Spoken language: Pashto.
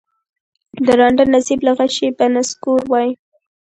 د ړانده نصیب له غشي به نسکور وای